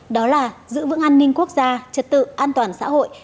đó là giữ vững an ninh quốc gia trật tự an toàn xã hội